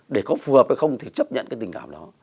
để có phù hợp hay không thì chấp nhận cái tình cảm đó